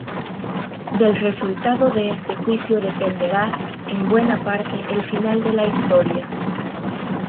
Del resultado de este juicio dependerá, en buena parte, el final de la historia.